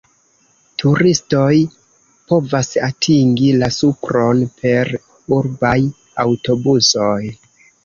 Turistoj povas atingi la supron per urbaj aŭtobusoj.